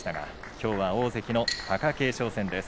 きょうは大関の貴景勝戦です。